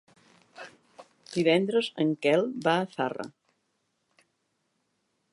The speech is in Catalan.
Divendres en Quel va a Zarra.